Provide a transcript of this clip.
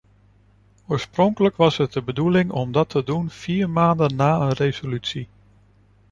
Oorspronkelijk was het de bedoeling om dat te doen vier maanden na een resolutie.